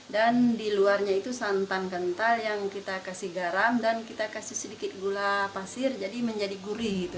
dan di luarnya itu santan kental yang kita kasih garam dan kita kasih sedikit gula pasir jadi menjadi gurih